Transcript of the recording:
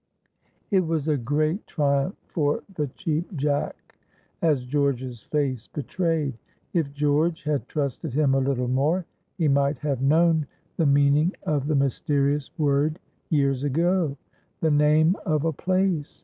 It was a great triumph for the Cheap Jack, as George's face betrayed. If George had trusted him a little more, he might have known the meaning of the mysterious word years ago. The name of a place!